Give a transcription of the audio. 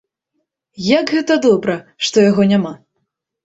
Як гэта добра, што яго няма!